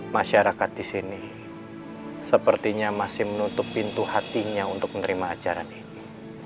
masyarakat di sini sepertinya masih menutup pintu hatinya untuk menerima ajaran ini